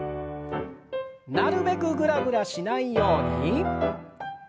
なるべくグラグラしないように。